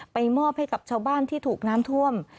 มอบให้กับชาวบ้านที่ถูกน้ำท่วม